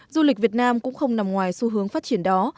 du lịch việt nam cũng không nằm ngoài xu hướng phát triển đó